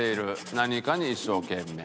「なにかに一生懸命」